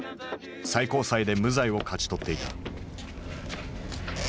最高裁で無罪を勝ち取っていた。